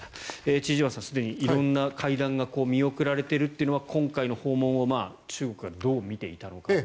千々岩さん、すでに色んな会談が見送られているというのは今回の訪問を中国がどう見ていたのかという。